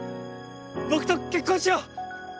僕と結婚しよう！